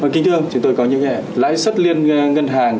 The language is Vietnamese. kính thưa chúng tôi có những lãi xuất liên ngân hàng